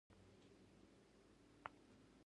ښار لوی دی.